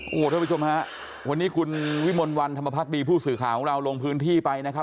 โอ้โหท่านผู้ชมฮะวันนี้คุณวิมลวันธรรมพักดีผู้สื่อข่าวของเราลงพื้นที่ไปนะครับ